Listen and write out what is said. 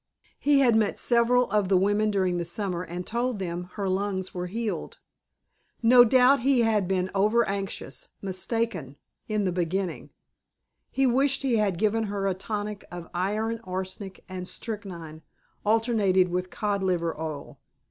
He had met several of the women during the summer and told them her lungs were healed.... No doubt he had been over anxious, mistaken in the beginning. He wished he had given her a tonic of iron arsenic and strychnine, alternated with cod liver oil.